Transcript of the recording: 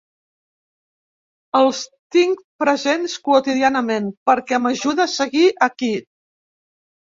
Els tinc presents quotidianament, perquè m’ajuda a seguir aquí.